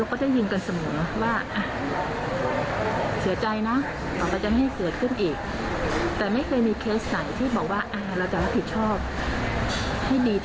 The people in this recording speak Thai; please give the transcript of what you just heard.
แล้วก็ได้งานทำได้แน่เขาก็ต้องใช้ทุนใช่ไหม